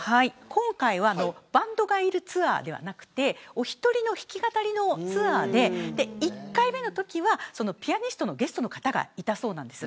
今回はバンドがいるツアーではなくお一人の弾き語りのツアーで１回目のときはピアニストのゲストの方がいたそうです。